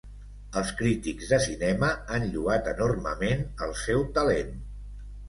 Els crítics de cinema han lloat enormement el seu talent.